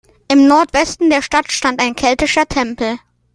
Im Nordwesten der Stadt stand ein keltischer Tempel.